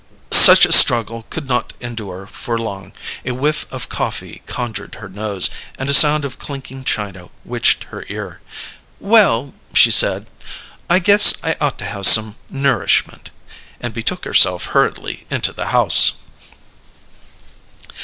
Such a struggle could not endure for long: a whiff of coffee conjured her nose, and a sound of clinking china witched her ear. "Well," she said, "I guess I ought to have some nourishment," and betook herself hurriedly into the house.